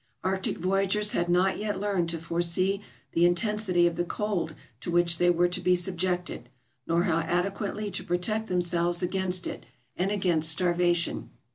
Arctic voyagers had not yet learned to foresee the intensity of the cold to which they were to be subjected, nor how adequately to protect themselves against it and against starvation.